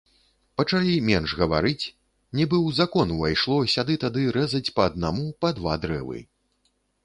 Пачалі менш гаварыць, нібы ў закон увайшло сяды-тады рэзаць па аднаму, па два дрэвы.